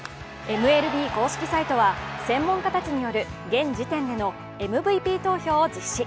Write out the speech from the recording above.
ＭＬＢ公式サイトは専門家たちによる現時点でのＭＶＰ投票を実施。